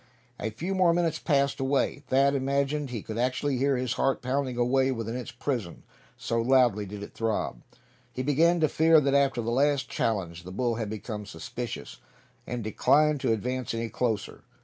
A few more minutes passed away. Thad imagined he could actually hear his heart pounding away within its prison, so loudly did it throb. He began to fear that after that last challenge the bull had become suspicious, and declined to advance any closer.